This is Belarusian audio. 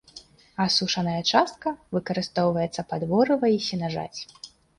Асушаная частка выкарыстоўваецца пад ворыва і сенажаць.